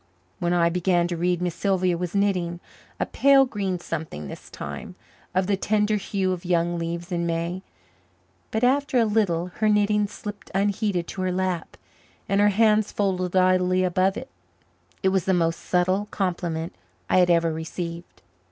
When I began to read Miss Sylvia was knitting, a pale green something this time, of the tender hue of young leaves in May. But after a little her knitting slipped unheeded to her lap and her hands folded idly above it. It was the most subtle compliment I had ever received.